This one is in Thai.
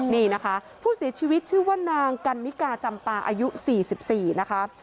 นี่นะคะผู้เสียชีวิตชื่อว่านางกันนิกาจำปาอายุ๔๔นะคะ